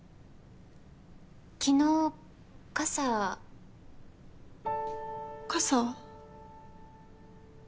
昨日傘傘？